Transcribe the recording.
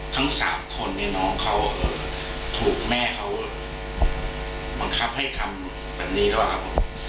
ทั้งสามคนเนี่ยน้องเขาถูกแม่เขาบังคับให้ทำแบบนี้แล้วครับ